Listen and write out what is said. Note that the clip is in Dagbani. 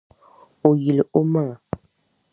O yil’ omaŋ’.